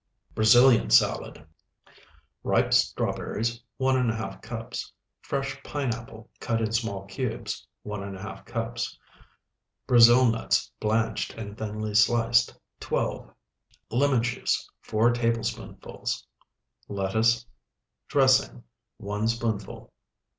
BRAZILIAN SALAD Ripe strawberries, 1½ cups. Fresh pineapple, cut in small cubes, 1½ cups. Brazil nuts, blanched and thinly sliced, 12. Lemon juice, 4 tablespoonfuls. Lettuce. Dressing, 1 spoonful.